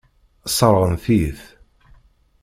Sseṛɣent-iyi-t.